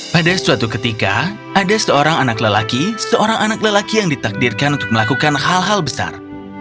pada suatu ketika ada seorang anak lelaki seorang anak lelaki yang ditakdirkan untuk melakukan hal hal besar